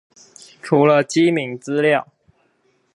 除了機敏資料